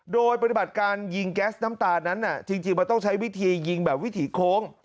โดยปฏิบัติการยิงแก๊สน้ำตานั้นจริงมันต้องใช้วิธียิงแบบวิถีโค้ง